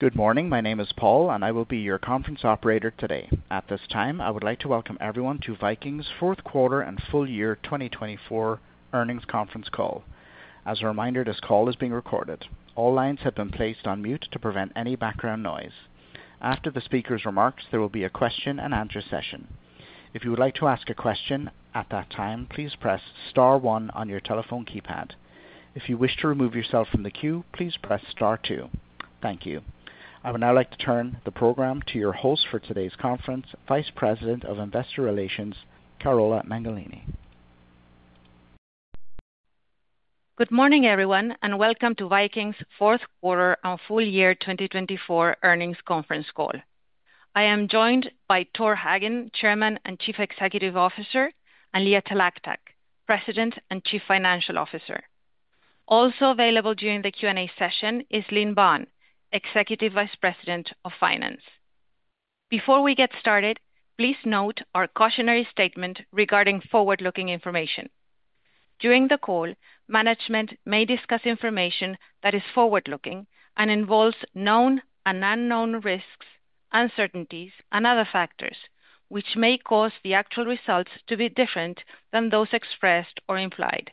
Good morning. My name is Paul, and I will be your conference operator today. At this time, I would like to welcome everyone to Viking's fourth quarter and full year 2024 earnings conference call. As a reminder, this call is being recorded. All lines have been placed on mute to prevent any background noise. After the speaker's remarks, there will be a question and answer session. If you would like to ask a question at that time, please press star one on your telephone keypad. If you wish to remove yourself from the queue, please press star two. Thank you. I would now like to turn the program to your host for today's conference, Vice President of Investor Relations, Carola Mengolini. Good morning, everyone, and welcome to Viking's fourth quarter and full year 2024 earnings conference call. I am joined by Tor Hagen, Chairman and Chief Executive Officer, and Leah Talactac, President and Chief Financial Officer. Also available during the Q&A session is Linh Banh, Executive Vice President of Finance. Before we get started, please note our cautionary statement regarding forward-looking information. During the call, management may discuss information that is forward-looking and involves known and unknown risks, uncertainties, and other factors which may cause the actual results to be different than those expressed or implied.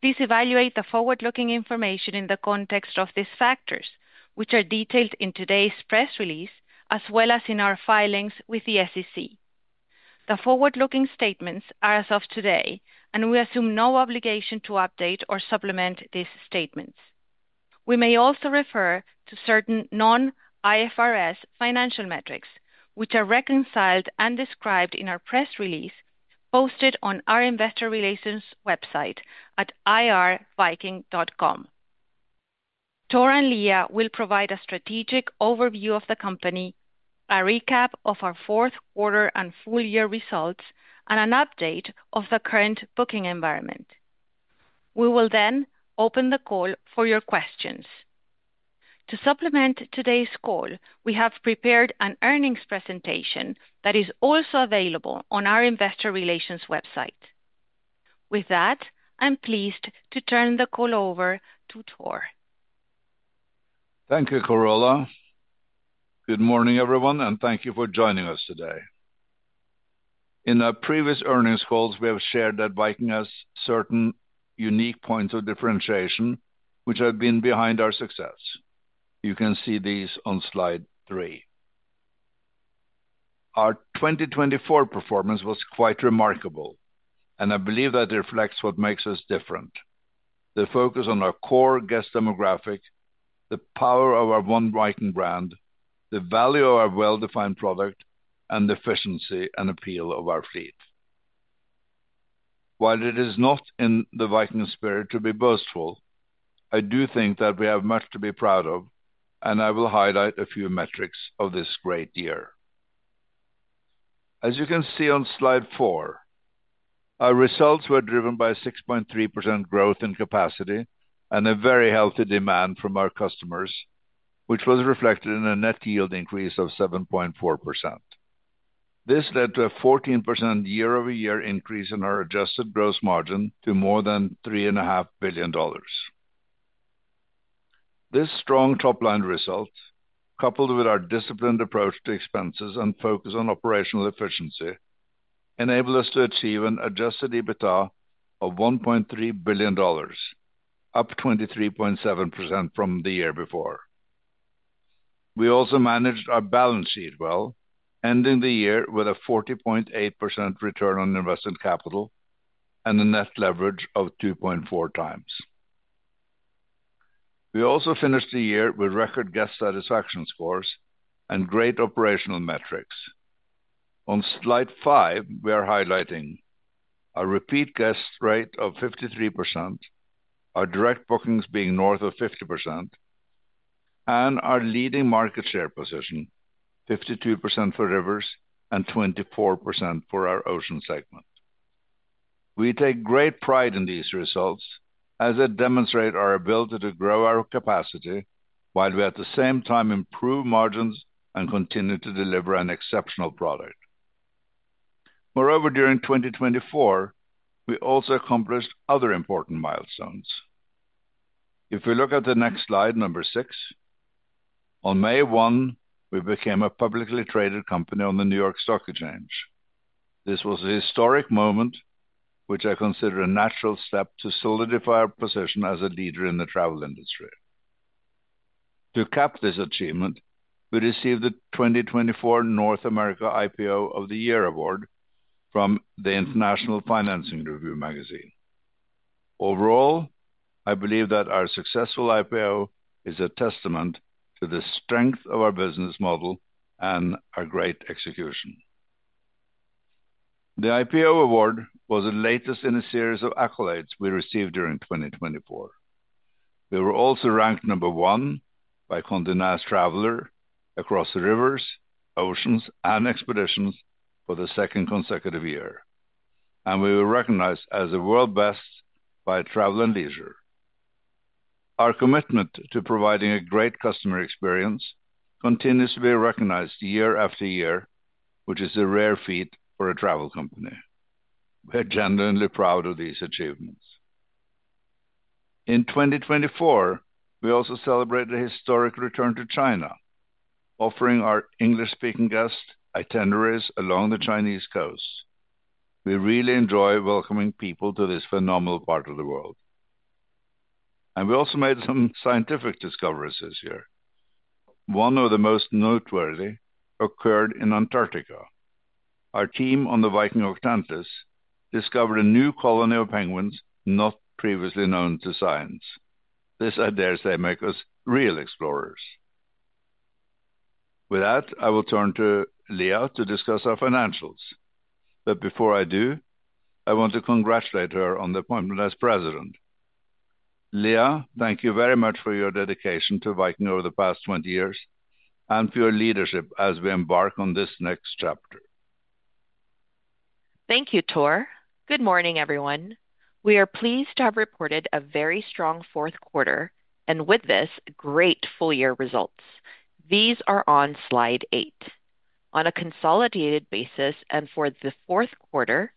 Please evaluate the forward-looking information in the context of these factors, which are detailed in today's press release as well as in our filings with the SEC. The forward-looking statements are as of today, and we assume no obligation to update or supplement these statements. We may also refer to certain non-IFRS financial metrics, which are reconciled and described in our press release posted on our Investor Relations website at ir.viking.com. Tor and Leah will provide a strategic overview of the company, a recap of our fourth quarter and full year results, and an update of the current booking environment. We will then open the call for your questions. To supplement today's call, we have prepared an earnings presentation that is also available on our Investor Relations website. With that, I'm pleased to turn the call over to Tor. Thank you, Carola. Good morning, everyone, and thank you for joining us today. In our previous earnings calls, we have shared that Viking has certain unique points of differentiation which have been behind our success. You can see these on slide three. Our 2024 performance was quite remarkable, and I believe that reflects what makes us different: the focus on our core guest demographic, the power of our One Viking brand, the value of our well-defined product, and the efficiency and appeal of our fleet. While it is not in the Viking spirit to be boastful, I do think that we have much to be proud of, and I will highlight a few metrics of this great year. As you can see on slide four, our results were driven by 6.3% growth in capacity and a very healthy demand from our customers, which was reflected in a net yield increase of 7.4%. This led to a 14% year-over-year increase in our adjusted gross margin to more than $3.5 billion. This strong top-line result, coupled with our disciplined approach to expenses and focus on operational efficiency, enabled us to achieve an adjusted EBITDA of $1.3 billion, up 23.7% from the year before. We also managed our balance sheet well, ending the year with a 40.8% return on invested capital and a net leverage of 2.4x. We also finished the year with record guest satisfaction scores and great operational metrics. On slide five, we are highlighting our repeat guest rate of 53%, our direct bookings being north of 50%, and our leading market share position, 52% for rivers and 24% for our ocean segment. We take great pride in these results as they demonstrate our ability to grow our capacity while we at the same time improve margins and continue to deliver an exceptional product. Moreover, during 2024, we also accomplished other important milestones. If we look at the next slide, number six, on May 1, we became a publicly traded company on the New York Stock Exchange. This was a historic moment, which I consider a natural step to solidify our position as a leader in the travel industry. To cap this achievement, we received the 2024 North America IPO of the Year Award from the International Financing Review magazine. Overall, I believe that our successful IPO is a testament to the strength of our business model and our great execution. The IPO award was the latest in a series of accolades we received during 2024. We were also ranked number one by Condé Nast Traveler across the rivers, oceans, and expeditions for the second consecutive year, and we were recognized as a World's Best by Travel + Leisure. Our commitment to providing a great customer experience continues to be recognized year after year, which is a rare feat for a travel company. We are genuinely proud of these achievements. In 2024, we also celebrated a historic return to China, offering our English-speaking guests itineraries along the Chinese coast. We really enjoy welcoming people to this phenomenal part of the world. We also made some scientific discoveries this year. One of the most noteworthy occurred in Antarctica. Our team on the Viking Octantis discovered a new colony of penguins not previously known to science. This adheres to make us real explorers. With that, I will turn to Leah to discuss our financials. Before I do, I want to congratulate her on the appointment as President. Leah, thank you very much for your dedication to Viking over the past 20 years and for your leadership as we embark on this next chapter. Thank you, Tor. Good morning, everyone. We are pleased to have reported a very strong fourth quarter and with this great full year results. These are on slide eight. On a consolidated basis and for the fourth quarter,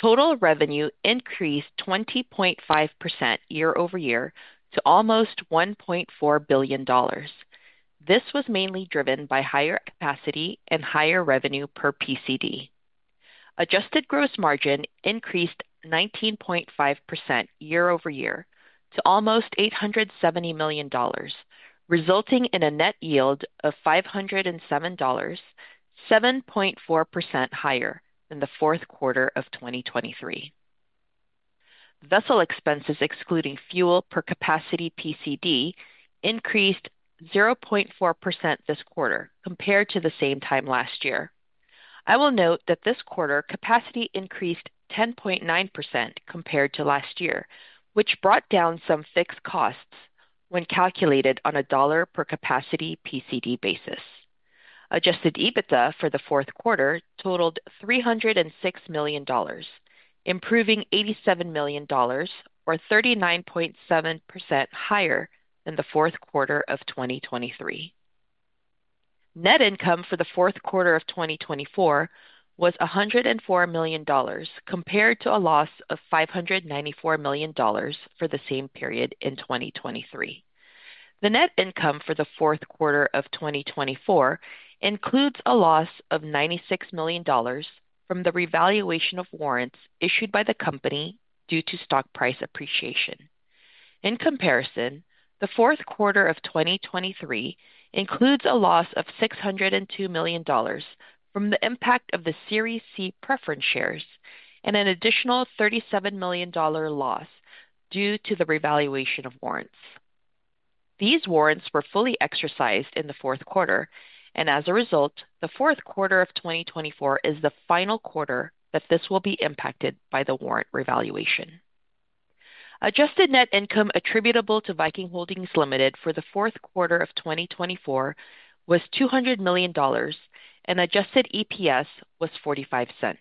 total revenue increased 20.5% year-over-year to almost $1.4 billion. This was mainly driven by higher capacity and higher revenue per PCD. Adjusted gross margin increased 19.5% year-over-year to almost $870 million, resulting in a net yield of $507, 7.4% higher than the fourth quarter of 2023. Vessel expenses, excluding fuel per capacity PCD, increased 0.4% this quarter compared to the same time last year. I will note that this quarter capacity increased 10.9% compared to last year, which brought down some fixed costs when calculated on a dollar per capacity PCD basis. Adjusted EBITDA for the fourth quarter totaled $306 million, improving $87 million or 39.7% higher than the fourth quarter of 2023. Net income for the fourth quarter of 2024 was $104 million compared to a loss of $594 million for the same period in 2023. The net income for the fourth quarter of 2024 includes a loss of $96 million from the revaluation of warrants issued by the company due to stock price appreciation. In comparison, the fourth quarter of 2023 includes a loss of $602 million from the impact of the Series C preference shares and an additional $37 million loss due to the revaluation of warrants. These warrants were fully exercised in the fourth quarter, and as a result, the fourth quarter of 2024 is the final quarter that this will be impacted by the warrant revaluation. Adjusted net income attributable to Viking Holdings Limited for the fourth quarter of 2024 was $200 million, and adjusted EPS was $0.45.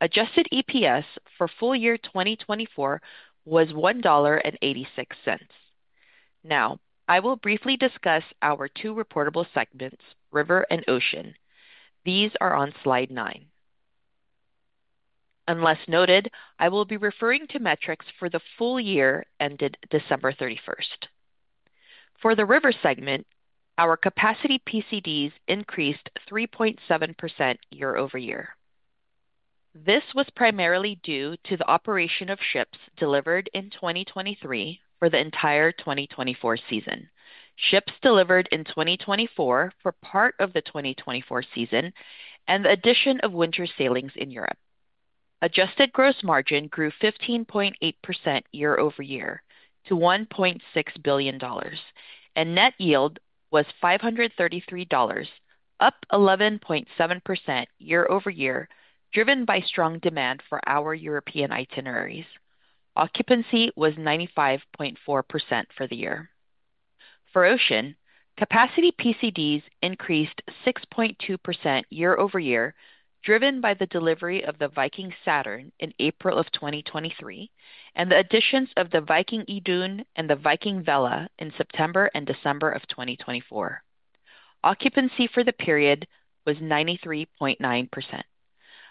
Adjusted EPS for full year 2024 was $1.86. Now, I will briefly discuss our two reportable segments, river and ocean. These are on slide nine. Unless noted, I will be referring to metrics for the full year ended December 31st. For the river segment, our capacity PCDs increased 3.7% year-over-year. This was primarily due to the operation of ships delivered in 2023 for the entire 2024 season, ships delivered in 2024 for part of the 2024 season, and the addition of winter sailings in Europe. Adjusted gross margin grew 15.8% year-over-year to $1.6 billion, and net yield was $533, up 11.7% year-over-year, driven by strong demand for our European itineraries. Occupancy was 95.4% for the year. For ocean, capacity PCDs increased 6.2% year-over-year, driven by the delivery of the Viking Saturn in April of 2023 and the additions of the Viking Yi Dun and the Viking Vela in September and December of 2024. Occupancy for the period was 93.9%.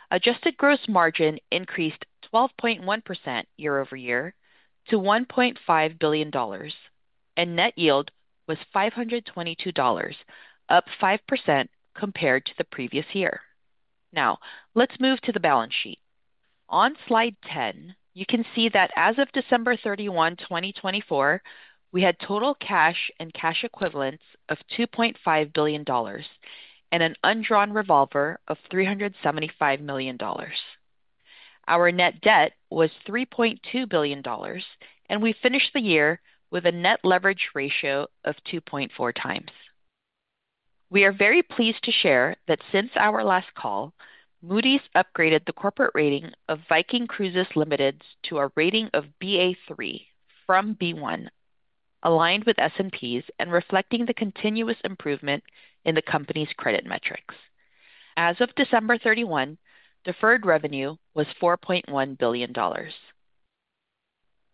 Adjusted gross margin increased 12.1% year-over-year to $1.5 billion, and net yield was $522, up 5% compared to the previous year. Now, let's move to the balance sheet. On slide 10, you can see that as of December 31, 2024, we had total cash and cash equivalents of $2.5 billion and an undrawn revolver of $375 million. Our net debt was $3.2 billion, and we finished the year with a net leverage ratio of 2.4x. We are very pleased to share that since our last call, Moody's upgraded the corporate rating of Viking Cruises Limited to a rating of Ba3 from B1, aligned with S&P's and reflecting the continuous improvement in the company's credit metrics. As of December 31, deferred revenue was $4.1 billion.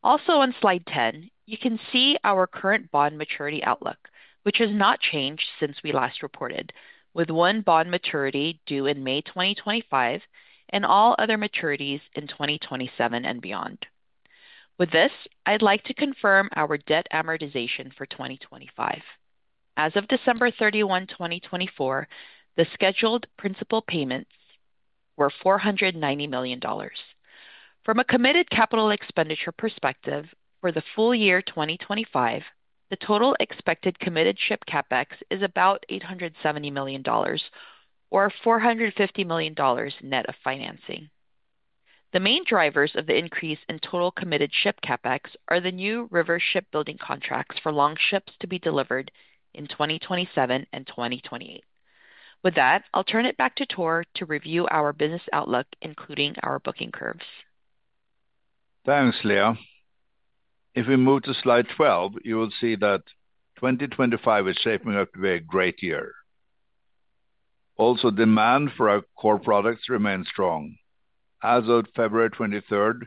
Also on slide 10, you can see our current bond maturity outlook, which has not changed since we last reported, with one bond maturity due in May 2025 and all other maturities in 2027 and beyond. With this, I'd like to confirm our debt amortization for 2025. As of December 31, 2024, the scheduled principal payments were $490 million. From a committed capital expenditure perspective for the full year 2025, the total expected committed ship CapEx is about $870 million or $450 million net of financing. The main drivers of the increase in total committed ship CapEx are the new river shipbuilding contracts for Longships to be delivered in 2027 and 2028. With that, I'll turn it back to Tor to review our business outlook, including our booking curves. Thanks, Leah. If we move to slide 12, you will see that 2025 is shaping up to be a great year. Also, demand for our core products remains strong. As of February 23rd,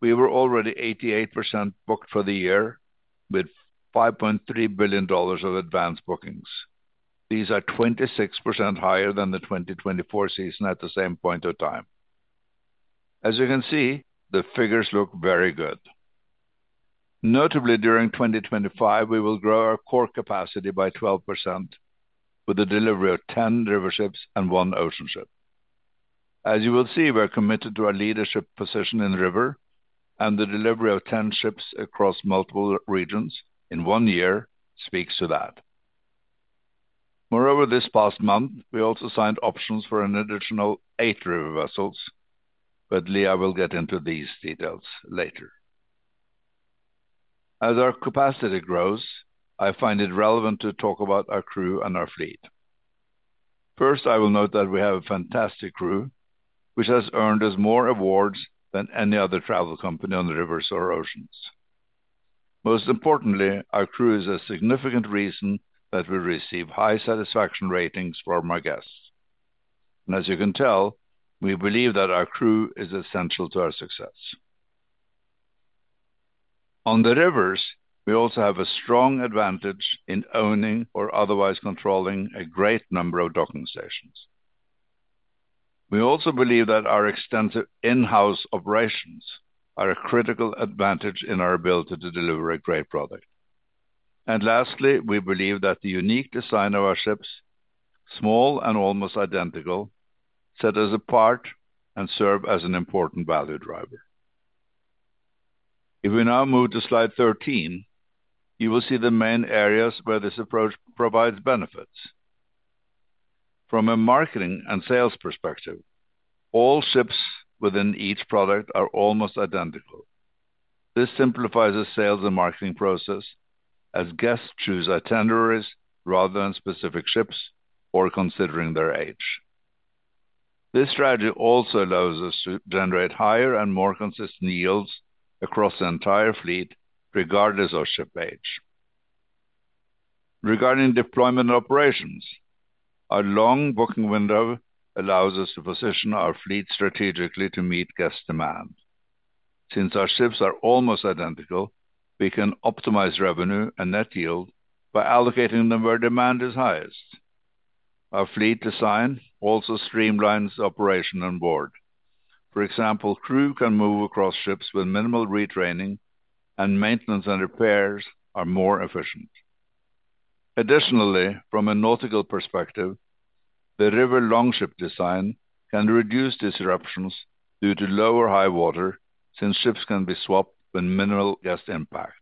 we were already 88% booked for the year with $5.3 billion of advanced bookings. These are 26% higher than the 2024 season at the same point of time. As you can see, the figures look very good. Notably, during 2025, we will grow our core capacity by 12% with the delivery of 10 river ships and one ocean ship. As you will see, we're committed to our leadership position in the river, and the delivery of 10 ships across multiple regions in one year speaks to that. Moreover, this past month, we also signed options for an additional eight river vessels, but Leah will get into these details later. As our capacity grows, I find it relevant to talk about our crew and our fleet. First, I will note that we have a fantastic crew, which has earned us more awards than any other travel company on the rivers or oceans. Most importantly, our crew is a significant reason that we receive high satisfaction ratings from our guests. As you can tell, we believe that our crew is essential to our success. On the rivers, we also have a strong advantage in owning or otherwise controlling a great number of docking stations. We also believe that our extensive in-house operations are a critical advantage in our ability to deliver a great product. Lastly, we believe that the unique design of our ships, small and almost identical, set us apart and serve as an important value driver. If we now move to slide 13, you will see the main areas where this approach provides benefits. From a marketing and sales perspective, all ships within each product are almost identical. This simplifies the sales and marketing process as guests choose itineraries rather than specific ships or considering their age. This strategy also allows us to generate higher and more consistent yields across the entire fleet, regardless of ship age. Regarding deployment operations, our long booking window allows us to position our fleet strategically to meet guest demand. Since our ships are almost identical, we can optimize revenue and net yield by allocating them where demand is highest. Our fleet design also streamlines operation on board. For example, crew can move across ships with minimal retraining, and maintenance and repairs are more efficient. Additionally, from a nautical perspective, the river Longship design can reduce disruptions due to lower high water since ships can be swapped with minimal guest impact.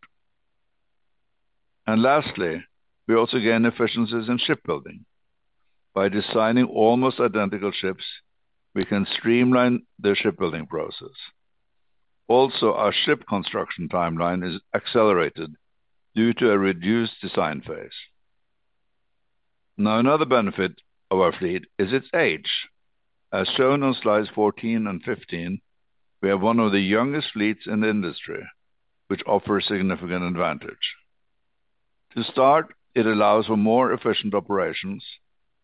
Lastly, we also gain efficiencies in shipbuilding. By designing almost identical ships, we can streamline the shipbuilding process. Also, our ship construction timeline is accelerated due to a reduced design phase. Now, another benefit of our fleet is its age. As shown on slides 14 and 15, we have one of the youngest fleets in the industry, which offers a significant advantage. To start, it allows for more efficient operations,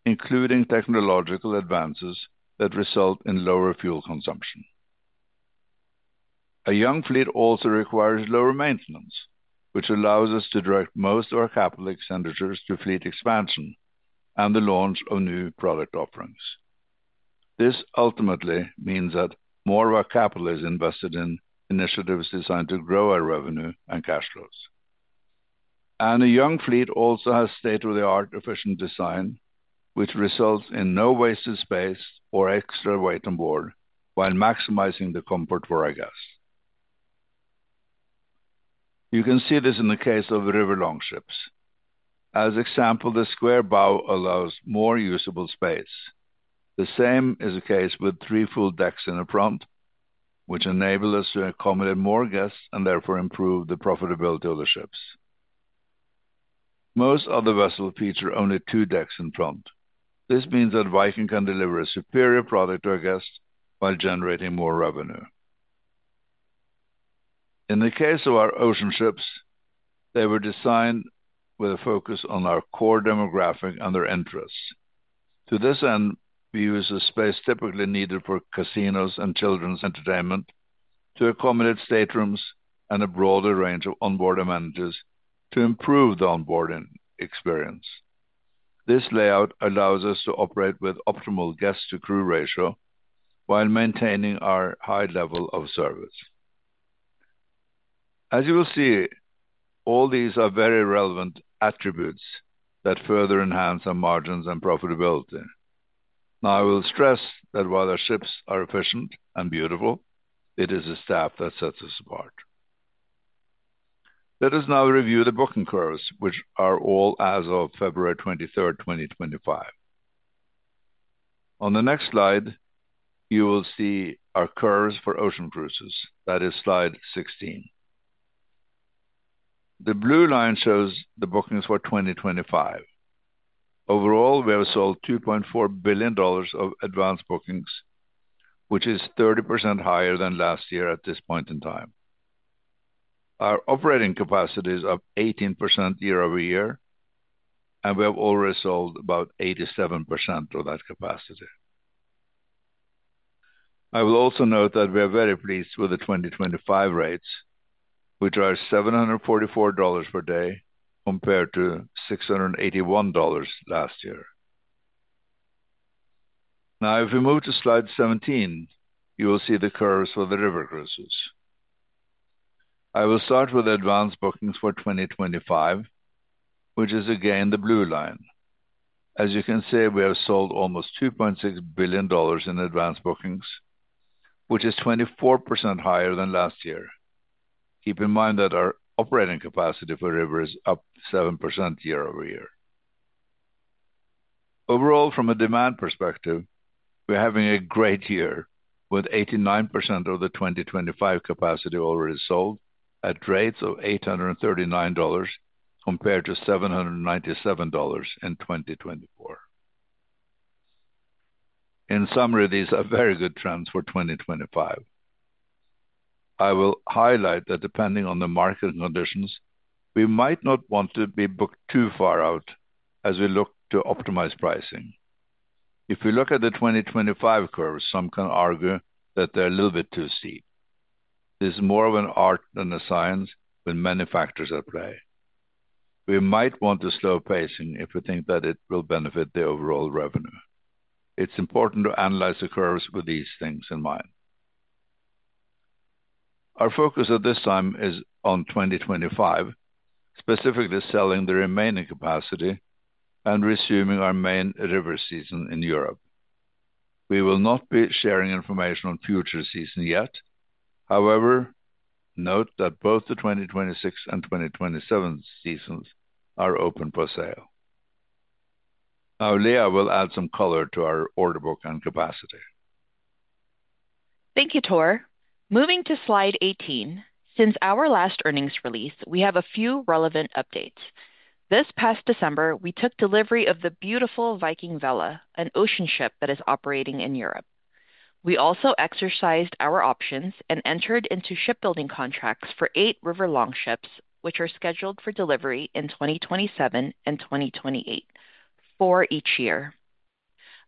including technological advances that result in lower fuel consumption. A young fleet also requires lower maintenance, which allows us to direct most of our capital expenditures to fleet expansion and the launch of new product offerings. This ultimately means that more of our capital is invested in initiatives designed to grow our revenue and cash flows. A young fleet also has state-of-the-art efficient design, which results in no wasted space or extra weight on board while maximizing the comfort for our guests. You can see this in the case of river Longships. As an example, the square bow allows more usable space. The same is the case with three full decks in the front, which enables us to accommodate more guests and therefore improve the profitability of the ships. Most other vessels feature only two decks in front. This means that Viking can deliver a superior product to our guests while generating more revenue. In the case of our ocean ships, they were designed with a focus on our core demographic and their interests. To this end, we use the space typically needed for casinos and children's entertainment to accommodate staterooms and a broader range of onboard amenities to improve the onboarding experience. This layout allows us to operate with optimal guest-to-crew ratio while maintaining our high level of service. As you will see, all these are very relevant attributes that further enhance our margins and profitability. Now, I will stress that while our ships are efficient and beautiful, it is the staff that sets us apart. Let us now review the booking curves, which are all as of February 23rd, 2025. On the next slide, you will see our curves for ocean cruises. That is slide 16. The blue line shows the bookings for 2025. Overall, we have sold $2.4 billion of advanced bookings, which is 30% higher than last year at this point in time. Our operating capacity is up 18% year-over-year, and we have already sold about 87% of that capacity. I will also note that we are very pleased with the 2025 rates, which are $744 per day compared to $681 last year. Now, if we move to slide 17, you will see the curves for the river cruises. I will start with advanced bookings for 2025, which is again the blue line. As you can see, we have sold almost $2.6 billion in advanced bookings, which is 24% higher than last year. Keep in mind that our operating capacity for river is up 7% year-over-year. Overall, from a demand perspective, we're having a great year with 89% of the 2025 capacity already sold at rates of $839 compared to $797 in 2024. In summary, these are very good trends for 2025. I will highlight that depending on the marketing conditions, we might not want to be booked too far out as we look to optimize pricing. If we look at the 2025 curves, some can argue that they're a little bit too steep. This is more of an art than a science with many factors at play. We might want to slow pacing if we think that it will benefit the overall revenue. It's important to analyze the curves with these things in mind. Our focus at this time is on 2025, specifically selling the remaining capacity and resuming our main river season in Europe. We will not be sharing information on future season yet. However, note that both the 2026 and 2027 seasons are open for sale. Now, Leah will add some color to our order book and capacity. Thank you, Tor. Moving to slide 18. Since our last earnings release, we have a few relevant updates. This past December, we took delivery of the beautiful Viking Vela, an ocean ship that is operating in Europe. We also exercised our options and entered into shipbuilding contracts for eight river Longships, which are scheduled for delivery in 2027 and 2028 for each year.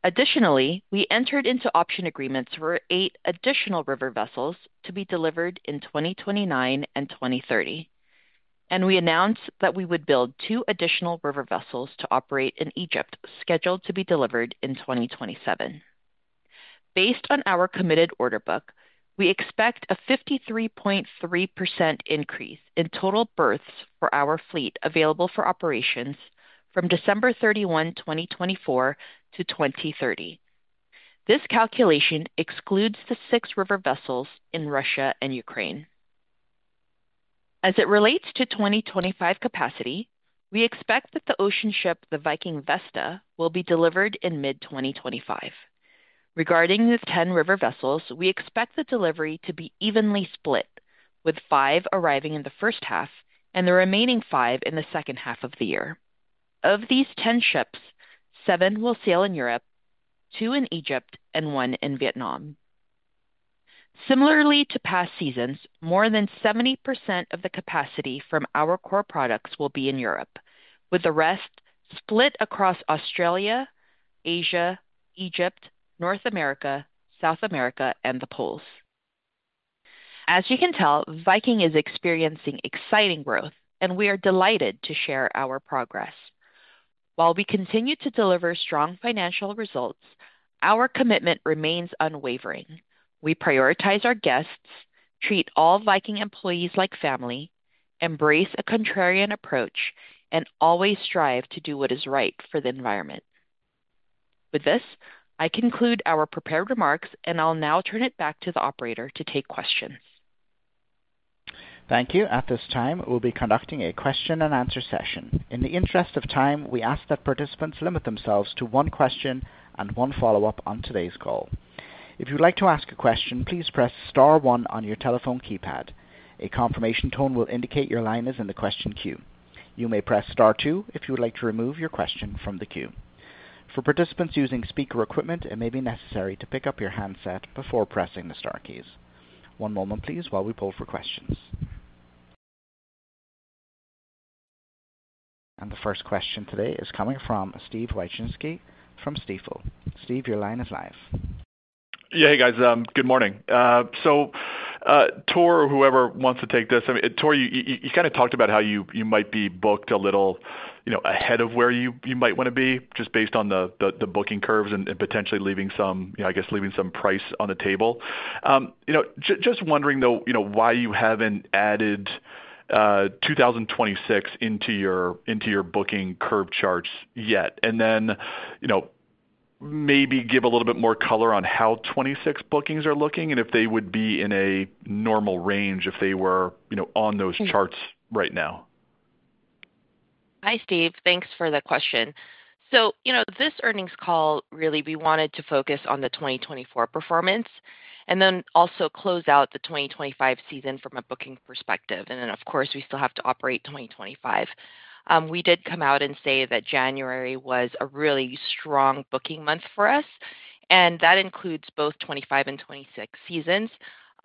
Additionally, we entered into option agreements for eight additional river vessels to be delivered in 2029 and 2030. We announced that we would build two additional river vessels to operate in Egypt scheduled to be delivered in 2027. Based on our committed order book, we expect a 53.3% increase in total berths for our fleet available for operations from December 31, 2024 to 2030. This calculation excludes the six river vessels in Russia and Ukraine. As it relates to 2025 capacity, we expect that the ocean ship, the Viking Vesta, will be delivered in mid-2025. Regarding the 10 river vessels, we expect the delivery to be evenly split, with five arriving in the first half and the remaining five in the second half of the year. Of these 10 ships, seven will sail in Europe, two in Egypt, and one in Vietnam. Similarly to past seasons, more than 70% of the capacity from our core products will be in Europe, with the rest split across Australia, Asia, Egypt, North America, South America, and the Poles. As you can tell, Viking is experiencing exciting growth, and we are delighted to share our progress. While we continue to deliver strong financial results, our commitment remains unwavering. We prioritize our guests, treat all Viking employees like family, embrace a contrarian approach, and always strive to do what is right for the environment. With this, I conclude our prepared remarks, and I'll now turn it back to the operator to take questions. Thank you. At this time, we'll be conducting a question-and-answer session. In the interest of time, we ask that participants limit themselves to one question and one follow-up on today's call. If you'd like to ask a question, please press star one on your telephone keypad. A confirmation tone will indicate your line is in the question queue. You may press star two if you would like to remove your question from the queue. For participants using speaker equipment, it may be necessary to pick up your handset before pressing the star keys. One moment, please, while we pull for questions. The first question today is coming from Steve Wieczynski from Stifel. Steve, your line is live. Yeah, hey, guys. Good morning. Tor, whoever wants to take this, I mean, Tor, you kind of talked about how you might be booked a little ahead of where you might want to be just based on the booking curves and potentially leaving some, I guess, leaving some price on the table. Just wondering, though, why you haven't added 2026 into your booking curve charts yet, and then maybe give a little bit more color on how 2026 bookings are looking and if they would be in a normal range if they were on those charts right now. Hi, Steve. Thanks for the question. This earnings call, really, we wanted to focus on the 2024 performance and then also close out the 2025 season from a booking perspective. Of course, we still have to operate 2025. We did come out and say that January was a really strong booking month for us, and that includes both 2025 and 2026 seasons.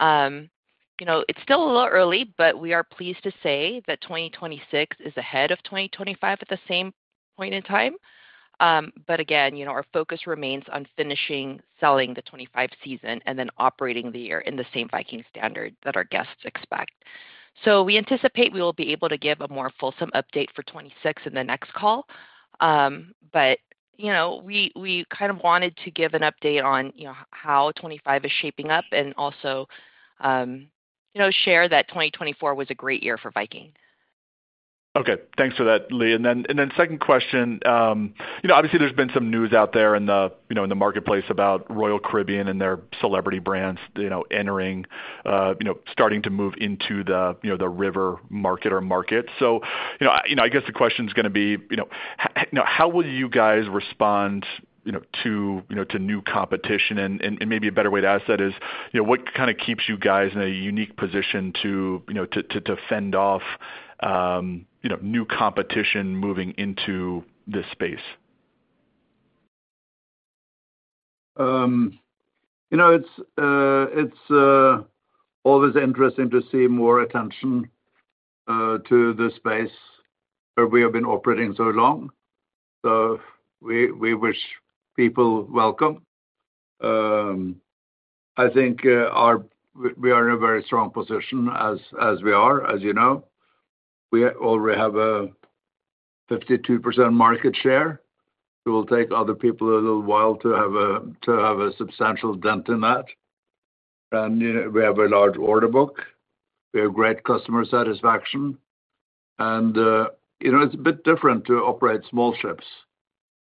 It's still a little early, but we are pleased to say that 2026 is ahead of 2025 at the same point in time. Again, our focus remains on finishing selling the 2025 season and then operating the year in the same Viking standard that our guests expect. We anticipate we will be able to give a more fulsome update for 2026 in the next call. We kind of wanted to give an update on how '25 is shaping up and also share that 2024 was a great year for Viking. Okay. Thanks for that, Leah. Second question, obviously, there's been some news out there in the marketplace about Royal Caribbean and their Celebrity brands entering, starting to move into the river market or market. I guess the question's going to be, how will you guys respond to new competition? Maybe a better way to ask that is, what kind of keeps you guys in a unique position to fend off new competition moving into this space? It's always interesting to see more attention to the space where we have been operating so long. We wish people welcome. I think we are in a very strong position as we are, as you know. We already have a 52% market share. It will take other people a little while to have a substantial dent in that. We have a large order book. We have great customer satisfaction. It's a bit different to operate small ships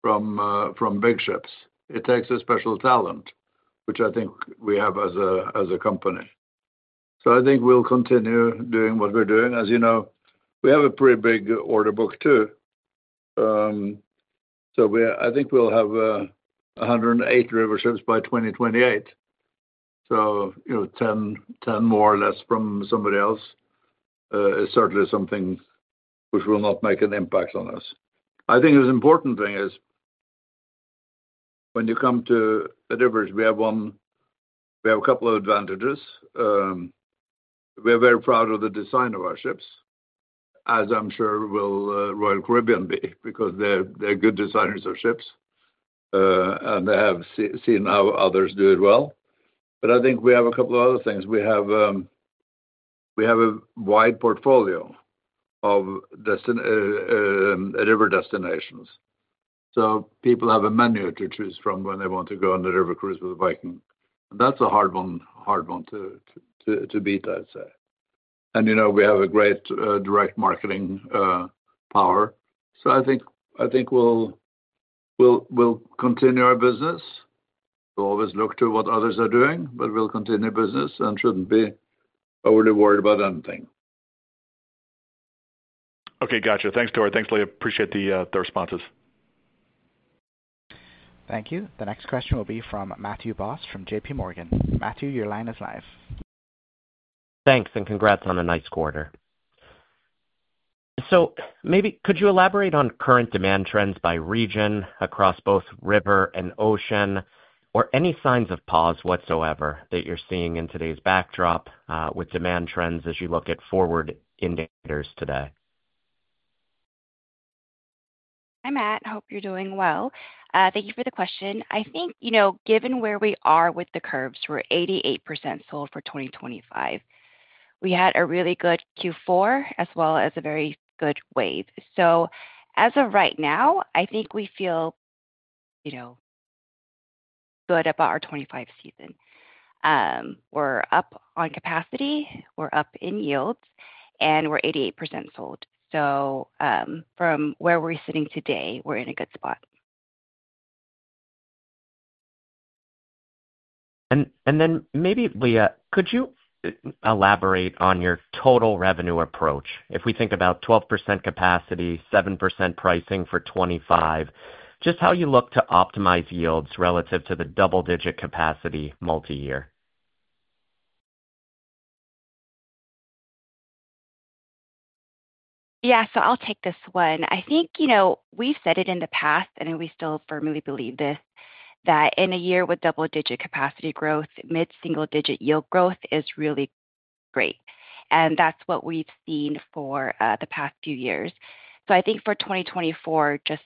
from big ships. It takes a special talent, which I think we have as a company. I think we'll continue doing what we're doing. As you know, we have a pretty big order book too. I think we'll have 108 river ships by 2028. Ten more or less from somebody else is certainly something which will not make an impact on us. I think the important thing is when you come to the rivers, we have a couple of advantages. We're very proud of the design of our ships, as I'm sure will Royal Caribbean be because they're good designers of ships, and they have seen how others do it well. I think we have a couple of other things. We have a wide portfolio of river destinations. People have a menu to choose from when they want to go on the river cruise with Viking. That's a hard one to beat, I'd say. We have a great direct marketing power. I think we'll continue our business. We'll always look to what others are doing, but we'll continue business and shouldn't be overly worried about anything. Okay. Gotcha. Thanks, Tor. Thanks, Leah. Appreciate the responses. Thank you. The next question will be from Matthew Boss from JPMorgan. Matthew, your line is live. Thanks, and congrats on a nice quarter. Maybe could you elaborate on current demand trends by region across both river and ocean, or any signs of pause whatsoever that you're seeing in today's backdrop with demand trends as you look at forward indicators today? Hi, Matt. Hope you're doing well. Thank you for the question. I think given where we are with the curves, we're 88% sold for 2025. We had a really good Q4 as well as a very good wave. As of right now, I think we feel good about our 2025 season. We're up on capacity. We're up in yields, and we're 88% sold. From where we're sitting today, we're in a good spot. Leah, could you elaborate on your total revenue approach? If we think about 12% capacity, 7% pricing for 2025, just how you look to optimize yields relative to the double-digit capacity multi-year? Yeah. I'll take this one. I think we've said it in the past, and we still firmly believe this, that in a year with double-digit capacity growth, mid-single-digit yield growth is really great. That's what we've seen for the past few years. I think for 2024, it just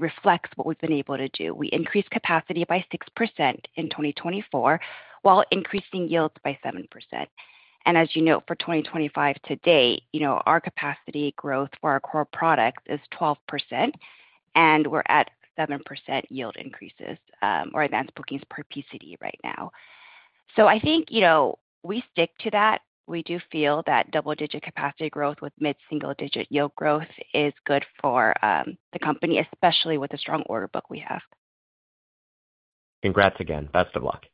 reflects what we've been able to do. We increased capacity by 6% in 2024 while increasing yields by 7%. As you know, for 2025 today, our capacity growth for our core products is 12%, and we're at 7% yield increases or advanced bookings per PCD right now. I think we stick to that. We do feel that double-digit capacity growth with mid-single-digit yield growth is good for the company, especially with the strong order book we have. Congrats again. Best of luck.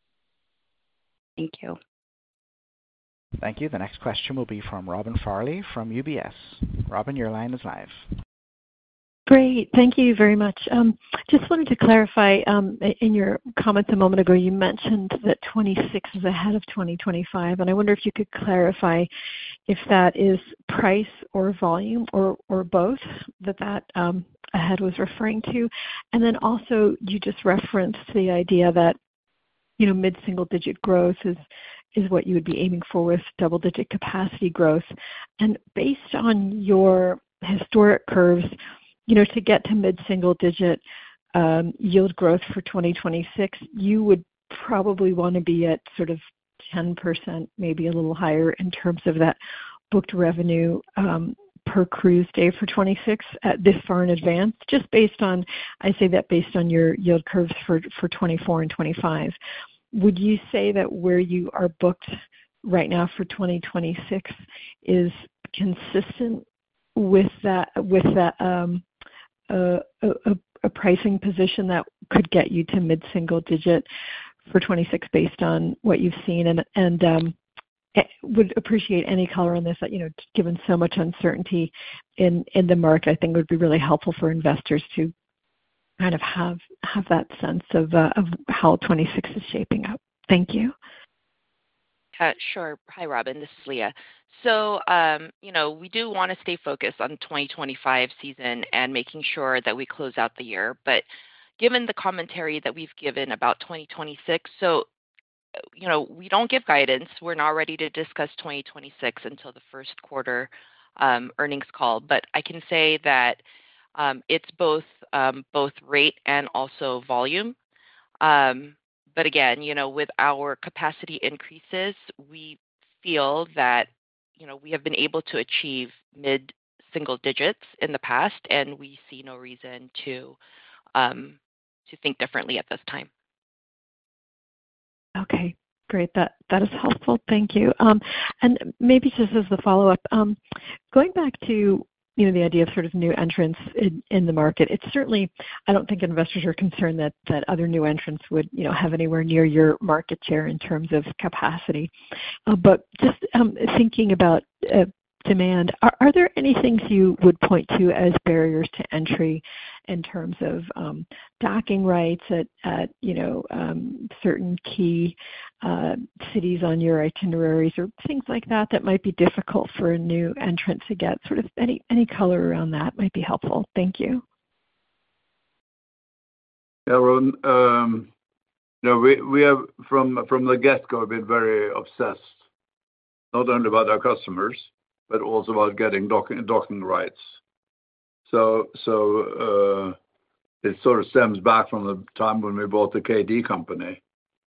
Thank you. Thank you. The next question will be from Robin Farley from UBS. Robin, your line is live. Great. Thank you very much. Just wanted to clarify in your comments a moment ago, you mentioned that 2026 is ahead of 2025. I wonder if you could clarify if that is price or volume or both that that ahead was referring to. Also, you just referenced the idea that mid-single-digit growth is what you would be aiming for with double-digit capacity growth. Based on your historic curves, to get to mid-single-digit yield growth for 2026, you would probably want to be at sort of 10%, maybe a little higher in terms of that booked revenue per cruise day for 2026 at this far in advance, just based on, I say that based on your yield curves for 2024 and 2025. Would you say that where you are booked right now for 2026 is consistent with a pricing position that could get you to mid-single-digit for 2026 based on what you've seen? I would appreciate any color on this. Given so much uncertainty in the market, I think it would be really helpful for investors to kind of have that sense of how 2026 is shaping up. Thank you. Sure. Hi, Robin. This is Leah. We do want to stay focused on the 2025 season and making sure that we close out the year. Given the commentary that we've given about 2026, we do not give guidance. We are not ready to discuss 2026 until the first quarter earnings call. I can say that it is both rate and also volume. Again, with our capacity increases, we feel that we have been able to achieve mid-single digits in the past, and we see no reason to think differently at this time. Okay. Great. That is helpful. Thank you. Maybe just as a follow-up, going back to the idea of sort of new entrants in the market, I do not think investors are concerned that other new entrants would have anywhere near your market share in terms of capacity. Just thinking about demand, are there any things you would point to as barriers to entry in terms of docking rights at certain key cities on your itineraries or things like that that might be difficult for a new entrant to get? Sort of any color around that might be helpful. Thank you. Yeah, Robin. From the get-go, we've been very obsessed, not only about our customers, but also about getting docking rights. It sort of stems back from the time when we bought the KD Company,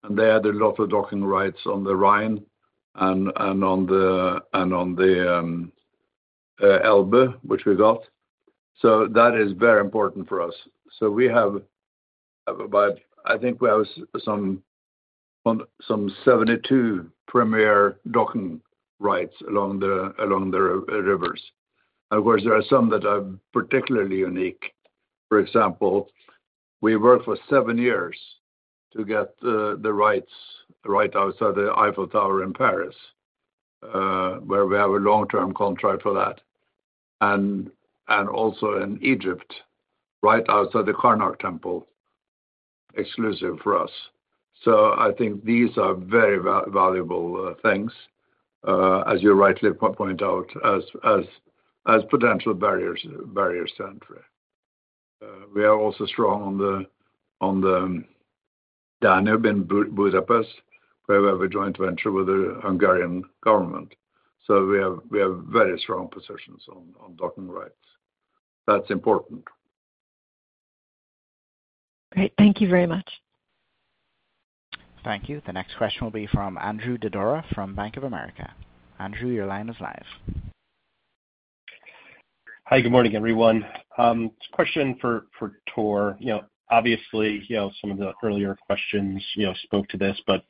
and they had a lot of docking rights on the Rhine and on the Elbe, which we got. That is very important for us. We have about, I think we have some 72 premier docking rights along the rivers. Of course, there are some that are particularly unique. For example, we worked for seven years to get the rights right outside the Eiffel Tower in Paris, where we have a long-term contract for that, and also in Egypt, right outside the Karnak Temple, exclusive for us. I think these are very valuable things, as you rightly point out, as potential barriers to entry. We are also strong on the Danube in Budapest, where we have a joint venture with the Hungarian government. We have very strong positions on docking rights. That's important. Great. Thank you very much. Thank you. The next question will be from Andrew Didora from Bank of America. Andrew, your line is live. Hi, good morning, everyone. Just a question for Tor. Obviously, some of the earlier questions spoke to this, but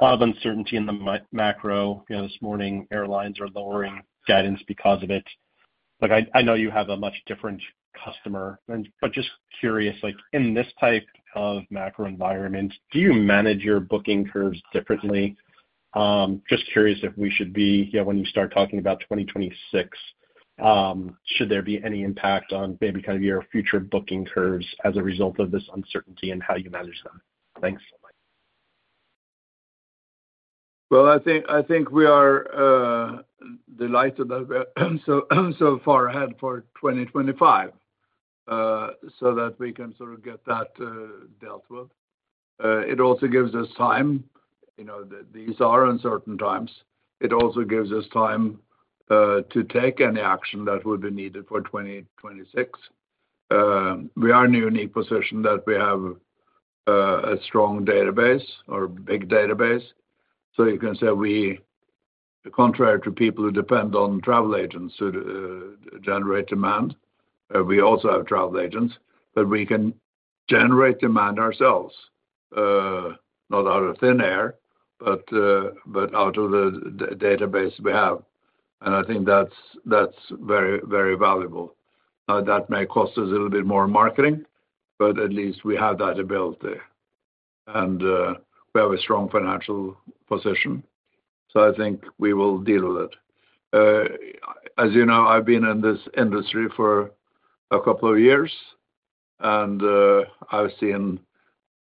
a lot of uncertainty in the macro. This morning, airlines are lowering guidance because of it. I know you have a much different customer, but just curious, in this type of macro environment, do you manage your booking curves differently? Just curious if we should be, when you start talking about 2026, should there be any impact on maybe kind of your future booking curves as a result of this uncertainty and how you manage them? Thanks so much. I think we are delighted that we're so far ahead for 2025 so that we can sort of get that dealt with. It also gives us time. These are uncertain times. It also gives us time to take any action that would be needed for 2026. We are in a unique position that we have a strong database or big database. You can say we, contrary to people who depend on travel agents to generate demand, we also have travel agents, but we can generate demand ourselves, not out of thin air, but out of the database we have. I think that's very, very valuable. That may cost us a little bit more marketing, but at least we have that ability. We have a strong financial position. I think we will deal with it. As you know, I've been in this industry for a couple of years, and I've seen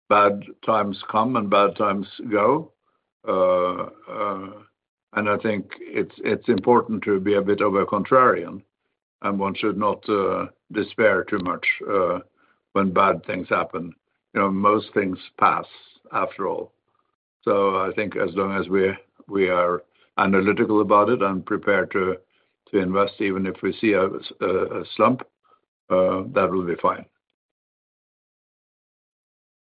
bad times come and bad times go. I think it's important to be a bit of a contrarian, and one should not despair too much when bad things happen. Most things pass after all. I think as long as we are analytical about it and prepared to invest, even if we see a slump, that will be fine.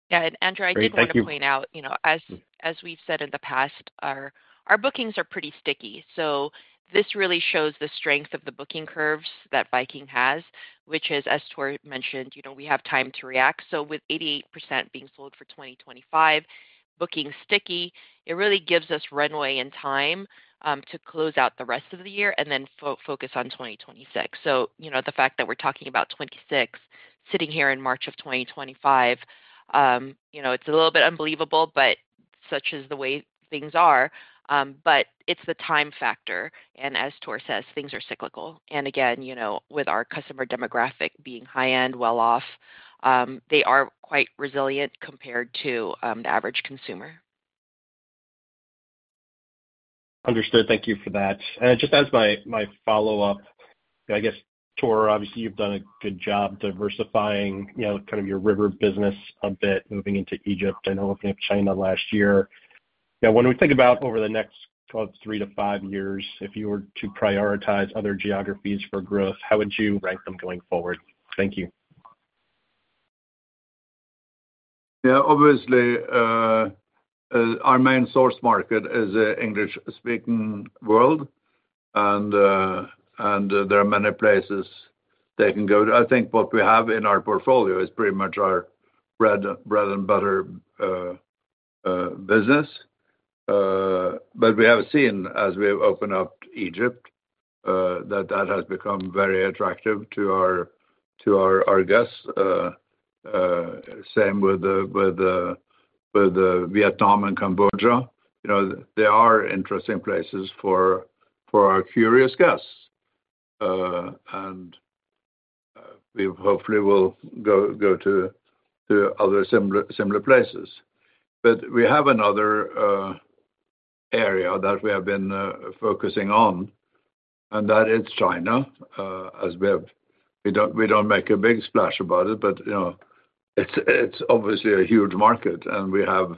Yeah. Andrew, I did want to point out, as we've said in the past, our bookings are pretty sticky. This really shows the strength of the booking curves that Viking has, which is, as Tor mentioned, we have time to react. With 88% being sold for 2025, bookings sticky, it really gives us runway and time to close out the rest of the year and then focus on 2026. The fact that we're talking about '26 sitting here in March of 2025, it's a little bit unbelievable, but such is the way things are. It's the time factor. As Tor says, things are cyclical. Again, with our customer demographic being high-end, well-off, they are quite resilient compared to the average consumer. Understood. Thank you for that. Just as my follow-up, I guess, Tor, obviously, you've done a good job diversifying kind of your river business a bit moving into Egypt. I know we've been in China last year. When we think about over the next three to five years, if you were to prioritize other geographies for growth, how would you rank them going forward? Thank you. Yeah. Obviously, our main source market is an English-speaking world, and there are many places they can go. I think what we have in our portfolio is pretty much our bread and butter business. We have seen, as we open up Egypt, that that has become very attractive to our guests. Same with Vietnam and Cambodia. They are interesting places for our curious guests. We hopefully will go to other similar places. We have another area that we have been focusing on, and that is China. We do not make a big splash about it, but it is obviously a huge market. We have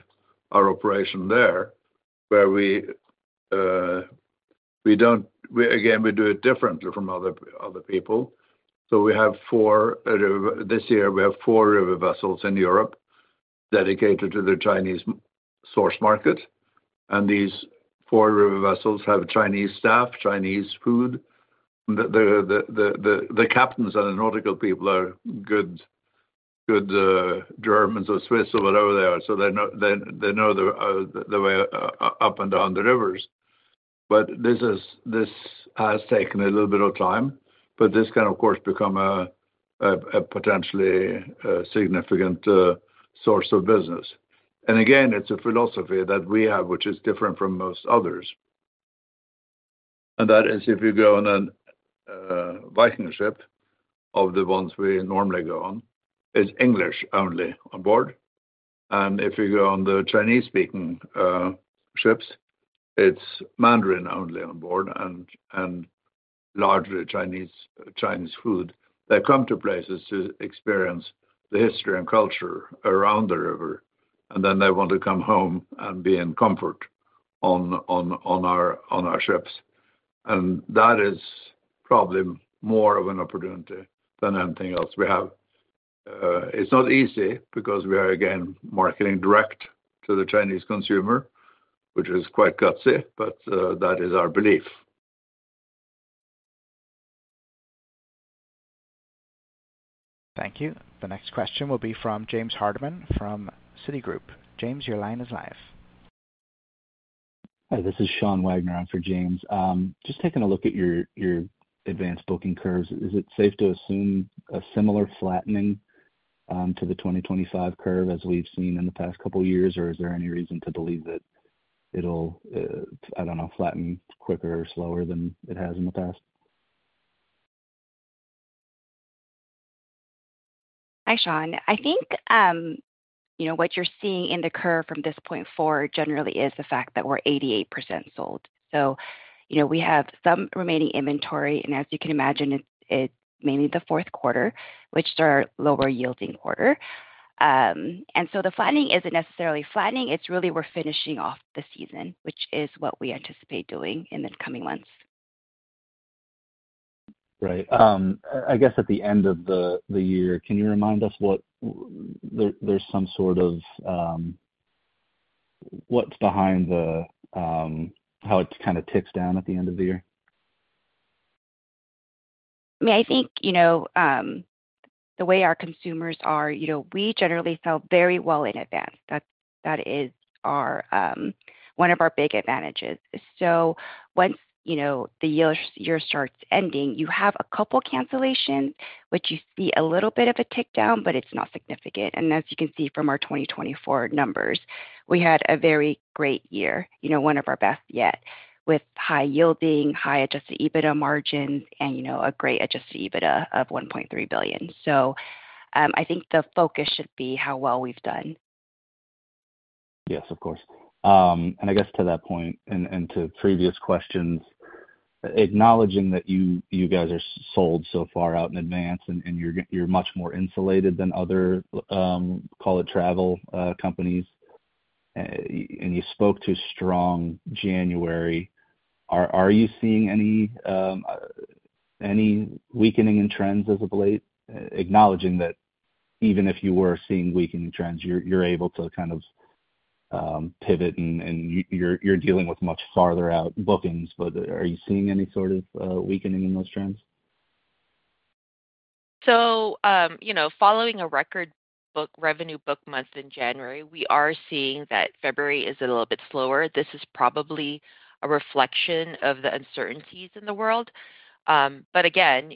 our operation there where we do it differently from other people. We have four this year, we have four river vessels in Europe dedicated to the Chinese source market. These four river vessels have Chinese staff, Chinese food. The captains and the nautical people are good Germans or Swiss or whatever they are. They know the way up and down the rivers. This has taken a little bit of time, but this can, of course, become a potentially significant source of business. It is a philosophy that we have, which is different from most others. That is, if you go on a Viking ship, of the ones we normally go on, it is English only on board. If you go on the Chinese-speaking ships, it is Mandarin only on board and largely Chinese food. They come to places to experience the history and culture around the river, and then they want to come home and be in comfort on our ships. That is probably more of an opportunity than anything else we have. It's not easy because we are, again, marketing direct to the Chinese consumer, which is quite gutsy, but that is our belief. Thank you. The next question will be from James Hardiman from Citigroup. James, your line is live. Hi, this is Sean Wagner for James. Just taking a look at your advanced booking curves, is it safe to assume a similar flattening to the 2025 curve as we've seen in the past couple of years, or is there any reason to believe that it'll, I don't know, flatten quicker or slower than it has in the past? Hi, Sean. I think what you're seeing in the curve from this point forward generally is the fact that we're 88% sold. We have some remaining inventory, and as you can imagine, it's mainly the fourth quarter, which is our lower-yielding quarter. The flattening isn't necessarily flattening. It's really we're finishing off the season, which is what we anticipate doing in the coming months. Right. I guess at the end of the year, can you remind us what there's some sort of what's behind how it kind of ticks down at the end of the year? I mean, I think the way our consumers are, we generally sell very well in advance. That is one of our big advantages. Once the year starts ending, you have a couple of cancellations, which you see a little bit of a tick down, but it's not significant. As you can see from our 2024 numbers, we had a very great year, one of our best yet, with high yielding, high adjusted EBITDA margins, and a great adjusted EBITDA of $1.3 billion. I think the focus should be how well we've done. Yes, of course. I guess to that point and to previous questions, acknowledging that you guys are sold so far out in advance and you're much more insulated than other call-it-travel companies, and you spoke to strong January, are you seeing any weakening in trends as of late, acknowledging that even if you were seeing weakening trends, you're able to kind of pivot and you're dealing with much farther-out bookings, but are you seeing any sort of weakening in those trends? Following a record revenue book month in January, we are seeing that February is a little bit slower. This is probably a reflection of the uncertainties in the world. Again,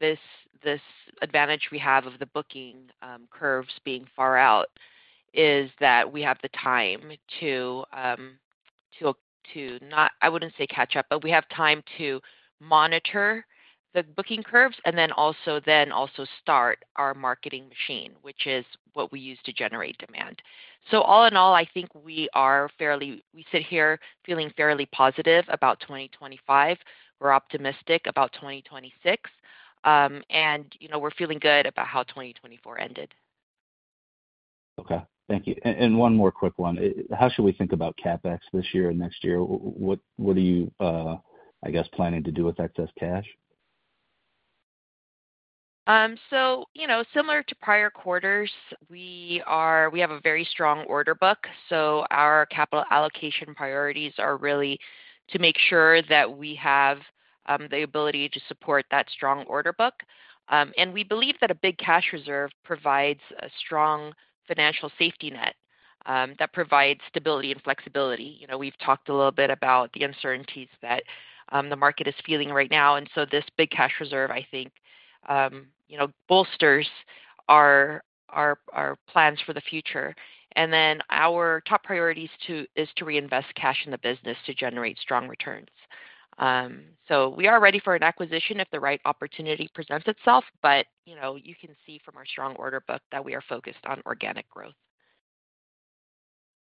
this advantage we have of the booking curves being far out is that we have the time to not, I wouldn't say catch up, but we have time to monitor the booking curves and then also start our marketing machine, which is what we use to generate demand. All in all, I think we sit here feeling fairly positive about 2025. We're optimistic about 2026, and we're feeling good about how 2024 ended. Okay. Thank you. One more quick one. How should we think about CapEx this year and next year? What are you, I guess, planning to do with excess cash? Similar to prior quarters, we have a very strong order book. Our capital allocation priorities are really to make sure that we have the ability to support that strong order book. We believe that a big cash reserve provides a strong financial safety net that provides stability and flexibility. We've talked a little bit about the uncertainties that the market is feeling right now. This big cash reserve, I think, bolsters our plans for the future. Our top priority is to reinvest cash in the business to generate strong returns. We are ready for an acquisition if the right opportunity presents itself, but you can see from our strong order book that we are focused on organic growth.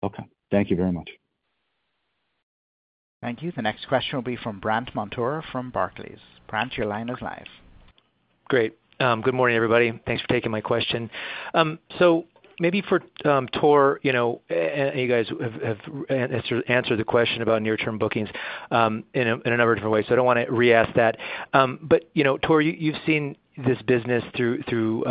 Okay. Thank you very much. Thank you. The next question will be from Brandt Montour from Barclays. Brant, your line is live. Great. Good morning, everybody. Thanks for taking my question. Maybe for Tor, you guys have answered the question about near-term bookings in a number of different ways. I do not want to re-ask that. Tor, you have seen this business through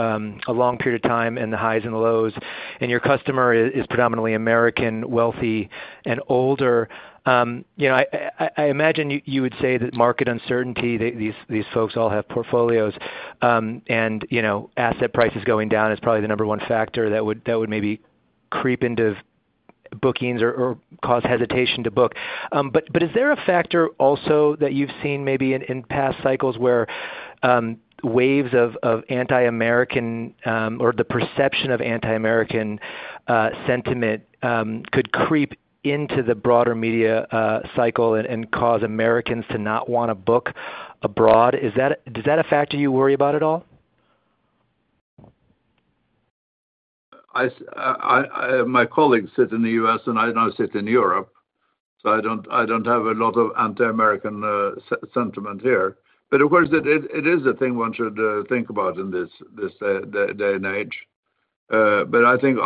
a long period of time and the highs and the lows, and your customer is predominantly American, wealthy, and older. I imagine you would say that market uncertainty, these folks all have portfolios, and asset prices going down is probably the number one factor that would maybe creep into bookings or cause hesitation to book. Is there a factor also that you have seen maybe in past cycles where waves of anti-American or the perception of anti-American sentiment could creep into the broader media cycle and cause Americans to not want to book abroad? Does that affect you or worry you at all? My colleague sits in the U.S., and I do not sit in Europe. I do not have a lot of anti-American sentiment here. Of course, it is a thing one should think about in this day and age. I think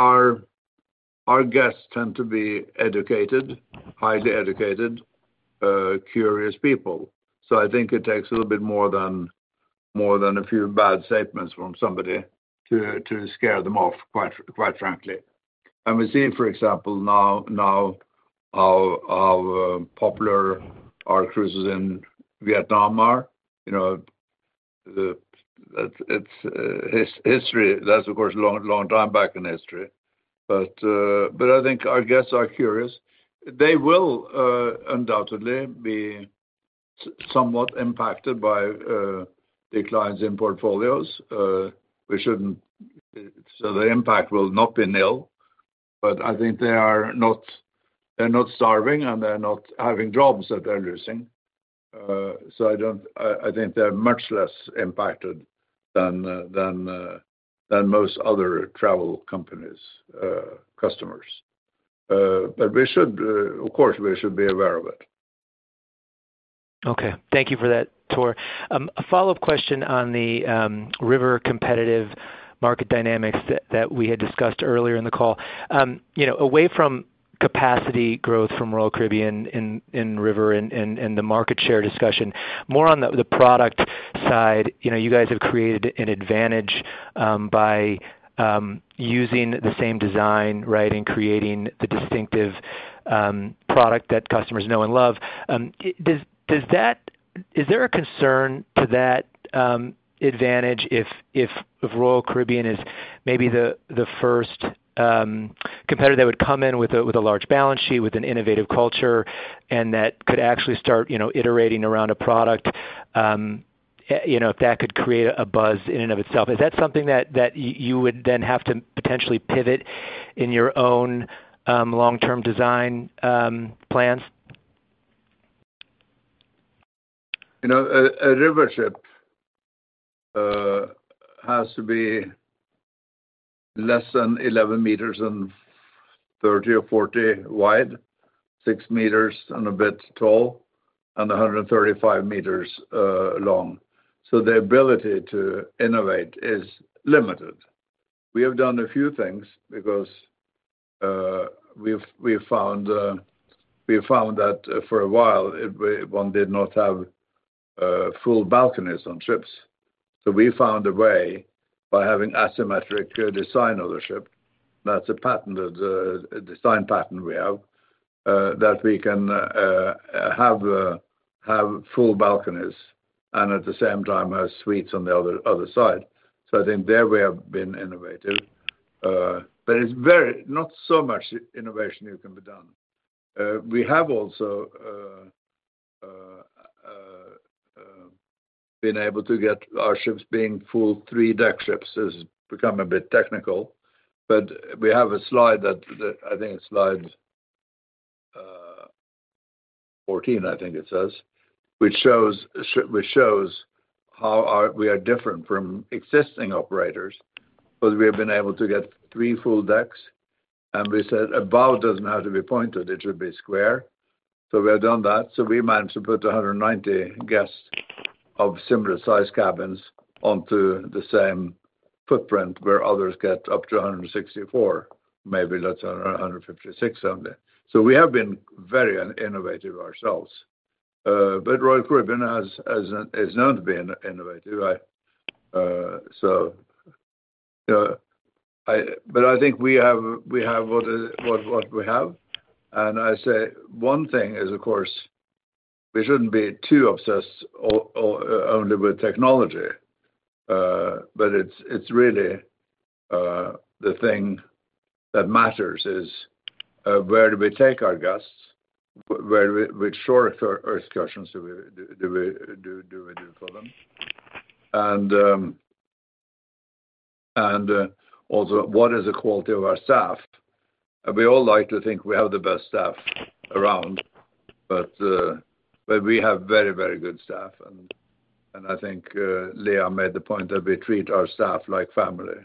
our guests tend to be educated, highly educated, curious people. I think it takes a little bit more than a few bad statements from somebody to scare them off, quite frankly. We see, for example, now how popular our cruises in Vietnam are. That is, of course, a long time back in history. I think our guests are curious. They will undoubtedly be somewhat impacted by declines in portfolios. The impact will not be nil. I think they are not starving, and they are not having jobs that they are losing. I think they are much less impacted than most other travel companies' customers. Of course, we should be aware of it. Okay. Thank you for that, Tor. A follow-up question on the river competitive market dynamics that we had discussed earlier in the call. Away from capacity growth from Royal Caribbean in river and the market share discussion, more on the product side, you guys have created an advantage by using the same design, right, and creating the distinctive product that customers know and love. Is there a concern to that advantage if Royal Caribbean is maybe the first competitor that would come in with a large balance sheet, with an innovative culture, and that could actually start iterating around a product, if that could create a buzz in and of itself? Is that something that you would then have to potentially pivot in your own long-term design plans? A river ship has to be less than 11 m and 30 m or 40 m wide, 6 m and a bit tall, and 135 m long. The ability to innovate is limited. We have done a few things because we found that for a while, one did not have full balconies on ships. We found a way by having asymmetric design of the ship. That is a design pattern we have that we can have full balconies and at the same time have suites on the other side. I think there we have been innovative. It is not so much innovation you can be done. We have also been able to get our ships being full three-deck ships. It becomes a bit technical. We have a slide that I think is slide 14, I think it says, which shows how we are different from existing operators. We have been able to get three full decks. We said above it does not have to be pointed. It should be square. We have done that. We managed to put 190 guests of similar-sized cabins onto the same footprint where others get up to 164, maybe let's say 156 only. We have been very innovative ourselves. Royal Caribbean is known to be innovative, right? I think we have what we have. I say one thing is, of course, we should not be too obsessed only with technology. What really matters is where do we take our guests? Which shore excursions do we do for them? Also, what is the quality of our staff? We all like to think we have the best staff around, but we have very, very good staff. I think Leah made the point that we treat our staff like family.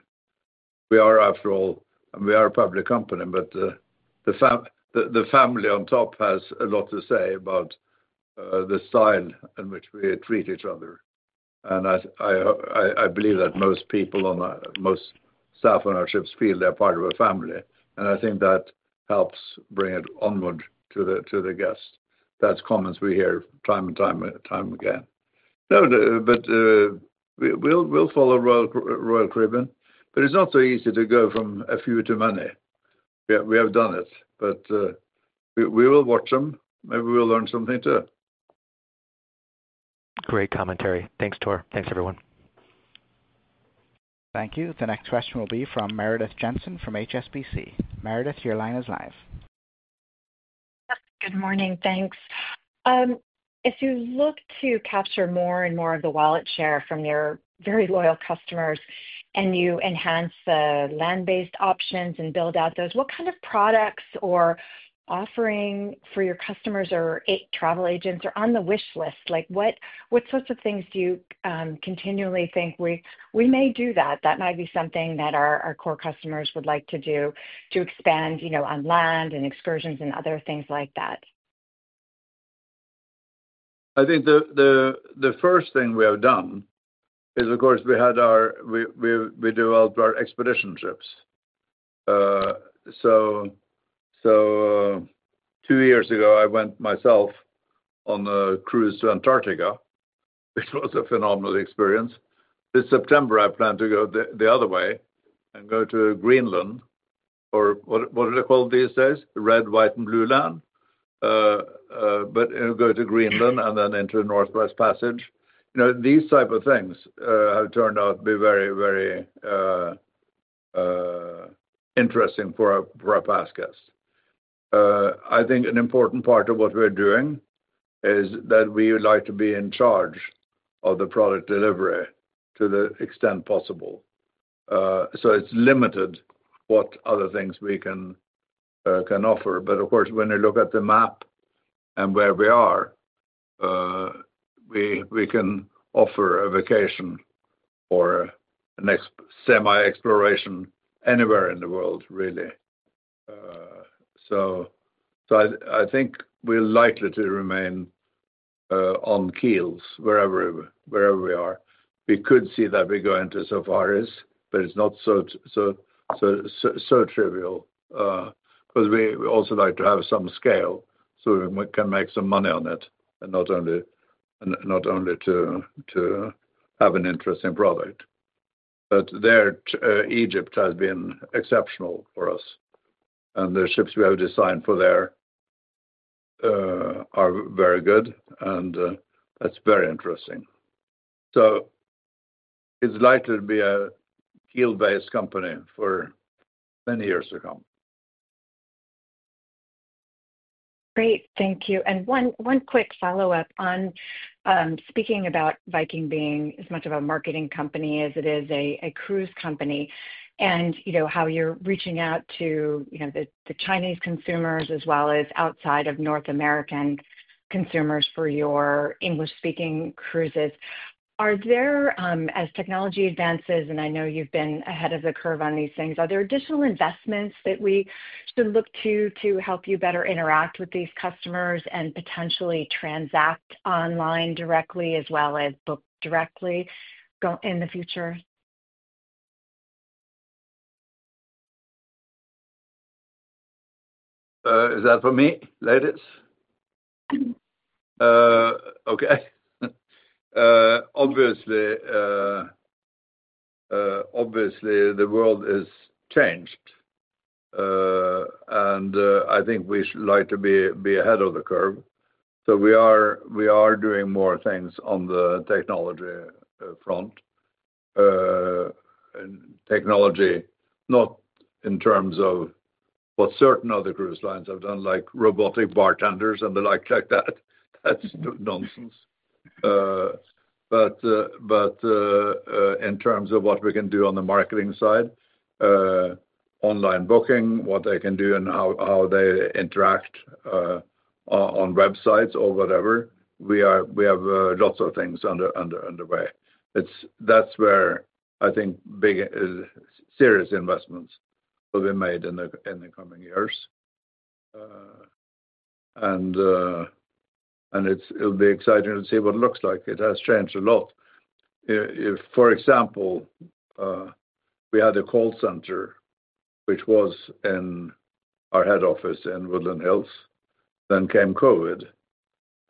We are, after all, a public company, but the family on top has a lot to say about the style in which we treat each other. I believe that most people, most staff on our ships, feel they're part of a family. I think that helps bring it onward to the guests. That's comments we hear time and time again. We'll follow Royal Caribbean, but it's not so easy to go from a few to many. We have done it, but we will watch them. Maybe we'll learn something too. Great commentary. Thanks, Tor. Thanks, everyone. Thank you. The next question will be from Meredith Jensen from HSBC. Meredith, your line is live. Good morning. Thanks. If you look to capture more and more of the wallet share from your very loyal customers and you enhance the land-based options and build out those, what kind of products or offering for your customers or travel agents are on the wish list? What sorts of things do you continually think we may do that? That might be something that our core customers would like to do to expand on land and excursions and other things like that. I think the first thing we have done is, of course, we developed our expedition ships. Two years ago, I went myself on a cruise to Antarctica, which was a phenomenal experience. This September, I plan to go the other way and go to Greenland, or what do they call it these days? Red, white, and blue land. Go to Greenland and then into Northwest Passage. These types of things have turned out to be very, very interesting for our past guests. I think an important part of what we are doing is that we would like to be in charge of the product delivery to the extent possible. It is limited what other things we can offer. Of course, when you look at the map and where we are, we can offer a vacation or a semi-exploration anywhere in the world, really. I think we're likely to remain on keels wherever we are. We could see that we go into safaris, but it's not so trivial because we also like to have some scale so we can make some money on it and not only to have an interesting product. Egypt has been exceptional for us. The ships we have designed for there are very good, and that's very interesting. It's likely to be a keel-based company for many years to come. Great. Thank you. One quick follow-up on speaking about Viking being as much of a marketing company as it is a cruise company and how you're reaching out to the Chinese consumers as well as outside of North American consumers for your English-speaking cruises. As technology advances, and I know you've been ahead of the curve on these things, are there additional investments that we should look to to help you better interact with these customers and potentially transact online directly as well as book directly in the future? Is that for me, ladies? Okay. Obviously, the world has changed, and I think we should like to be ahead of the curve. We are doing more things on the technology front. Technology, not in terms of what certain other cruise lines have done, like robotic bartenders and the like like that. That's nonsense. In terms of what we can do on the marketing side, online booking, what they can do and how they interact on websites or whatever, we have lots of things underway. That's where I think serious investments will be made in the coming years. It'll be exciting to see what it looks like. It has changed a lot. For example, we had a call center which was in our head office in Woodland Hills. COVID came,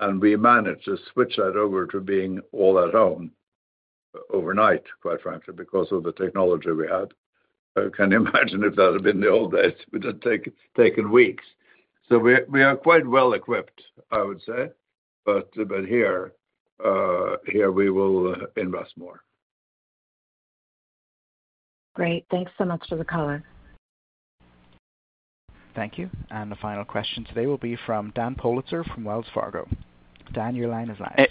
and we managed to switch that over to being all at home overnight, quite frankly, because of the technology we had. I can't imagine if that had been the old days. It would have taken weeks. We are quite well equipped, I would say. Here, we will invest more. Great. Thanks so much for the call. Thank you. The final question today will be from Dan Politzer from Wells Fargo. Dan, your line is live.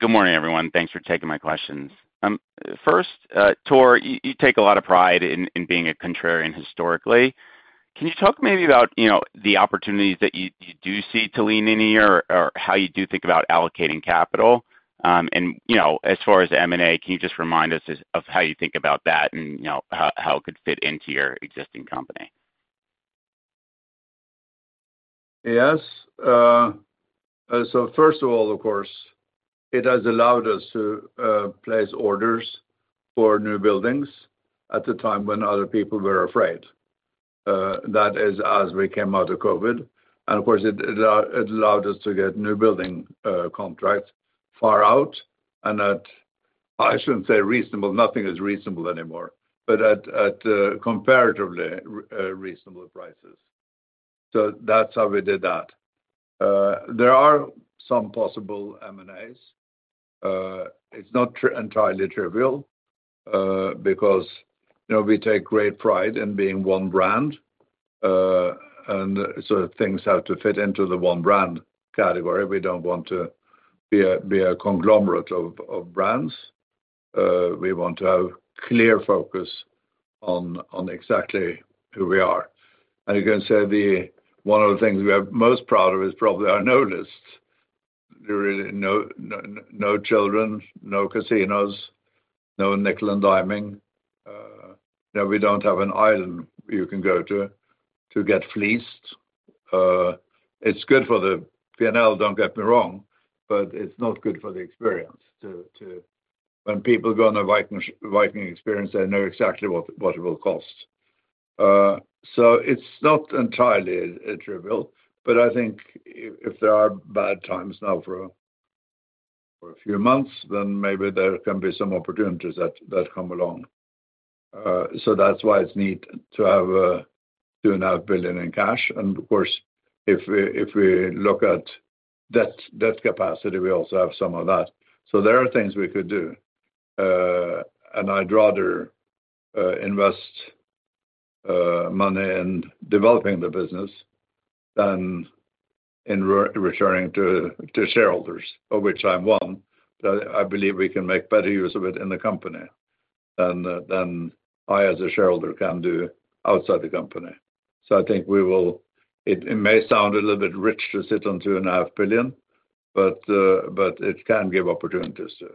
Good morning, everyone. Thanks for taking my questions. First, Tor, you take a lot of pride in being a contrarian historically. Can you talk maybe about the opportunities that you do see to lean in here or how you do think about allocating capital? As far as M&A, can you just remind us of how you think about that and how it could fit into your existing company? Yes. First of all, of course, it has allowed us to place orders for newbuildings at a time when other people were afraid. That is, as we came out of COVID. Of course, it allowed us to get newbuilding contracts far out and at, I should not say reasonable, nothing is reasonable anymore, but at comparatively reasonable prices. That is how we did that. There are some possible M&As. It is not entirely trivial because we take great pride in being one brand. Things have to fit into the one brand category. We do not want to be a conglomerate of brands. We want to have clear focus on exactly who we are. You can say one of the things we are most proud of is probably our no list. No children, no casinos, no nickel and diming. We don't have an island you can go to to get fleeced. It's good for the P&L, don't get me wrong, but it's not good for the experience. When people go on a Viking experience, they know exactly what it will cost. It's not entirely trivial. I think if there are bad times now for a few months, then maybe there can be some opportunities that come along. That's why it's neat to have $2.5 billion in cash. Of course, if we look at debt capacity, we also have some of that. There are things we could do. I'd rather invest money in developing the business than in returning to shareholders, of which I'm one. I believe we can make better use of it in the company than I, as a shareholder, can do outside the company. I think it may sound a little bit rich to sit on $2.5 billion, but it can give opportunities too.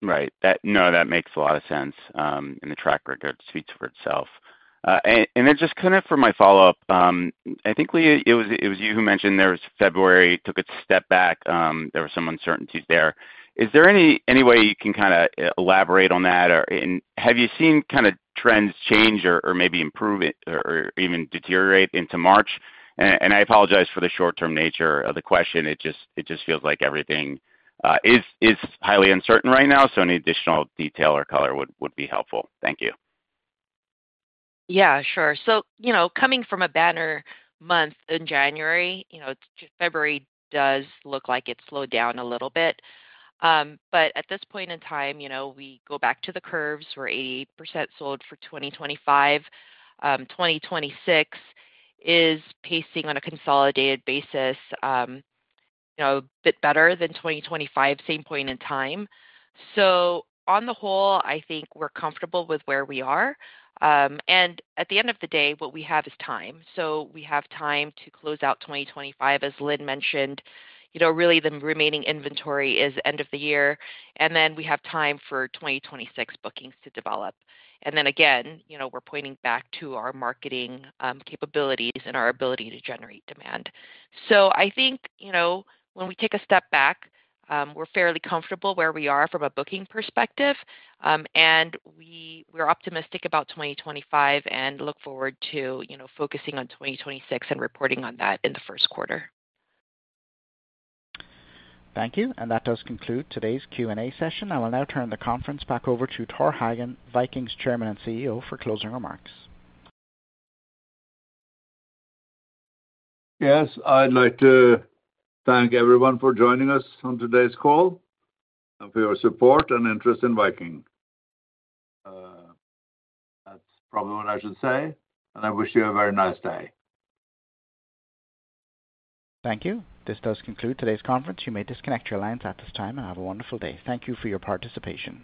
Right. No, that makes a lot of sense. The track record speaks for itself. Just kind of for my follow-up, I think it was you who mentioned there was February, took a step back. There were some uncertainties there. Is there any way you can kind of elaborate on that? Have you seen kind of trends change or maybe improve or even deteriorate into March? I apologize for the short-term nature of the question. It just feels like everything is highly uncertain right now. Any additional detail or color would be helpful. Thank you. Yeah, sure. Coming from a banner month in January, February does look like it slowed down a little bit. At this point in time, we go back to the curves. We're 88% sold for 2025. 2026 is pacing on a consolidated basis a bit better than 2025, same point in time. On the whole, I think we're comfortable with where we are. At the end of the day, what we have is time. We have time to close out 2025, as Linh mentioned. Really, the remaining inventory is end of the year. We have time for 2026 bookings to develop. Again, we're pointing back to our marketing capabilities and our ability to generate demand. I think when we take a step back, we're fairly comfortable where we are from a booking perspective. We're optimistic about 2025 and look forward to focusing on 2026 and reporting on that in the first quarter. Thank you. That does conclude today's Q&A session. I will now turn the conference back over to Tor Hagen, Viking's Chairman and CEO, for closing remarks. Yes, I'd like to thank everyone for joining us on today's call and for your support and interest in Viking. That's probably what I should say. I wish you a very nice day. Thank you. This does conclude today's conference. You may disconnect your lines at this time and have a wonderful day. Thank you for your participation.